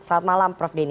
selamat malam prof denny